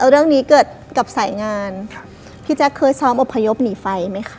เรื่องนี้เกิดกับสายงานพี่แจ๊คเคยซ้อมอบพยพหนีไฟไหมคะ